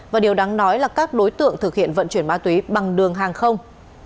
và điều đáng nói là các đối tượng thực hiện vận chuyển ma túy bằng đường hàng không